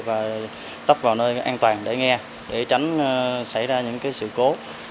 và tấp vào nơi an toàn để nghe để tránh xảy ra những sự cố